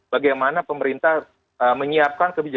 serta anda perlu memperbayangkannya